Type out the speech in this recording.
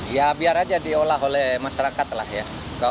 ya biar aja diolah oleh masyarakat lah ya